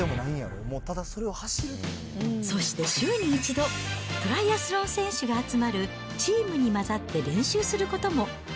そして週に１度、トライアスロン選手が集まるチームに混ざって練習することも。